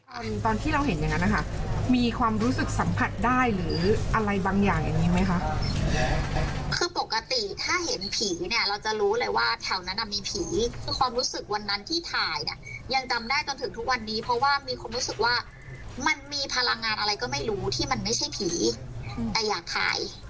มันไม่ใช่ผีแต่อยากถ่าย